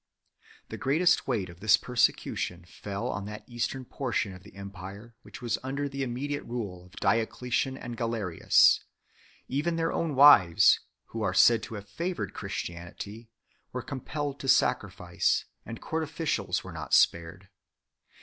The greatest weight of this persecution fell on that eastern portion of the empire which was under the immediate rule of Diocletian and Galerius ; even their own wives, who are said to have favoured Christianity, were compelled to sacrifice, and court officials were not spared.